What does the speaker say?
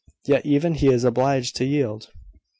Yet even he is obliged to yield."